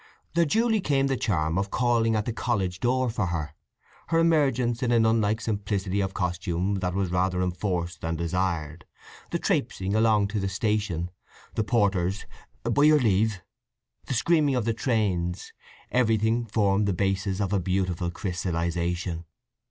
There duly came the charm of calling at the college door for her; her emergence in a nunlike simplicity of costume that was rather enforced than desired; the traipsing along to the station, the porters' "B'your leave!," the screaming of the trains—everything formed the basis of a beautiful crystallization.